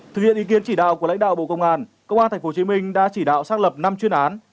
thực hiện ý kiến chỉ đạo của lãnh đạo bộ công an công an tp hcm đã chỉ đạo xác lập năm chuyên án